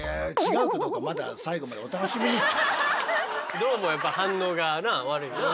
どうもやっぱ反応がな悪いな。